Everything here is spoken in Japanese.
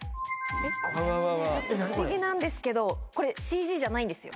・えっ何これ・不思議なんですけどこれＣＧじゃないんですよ。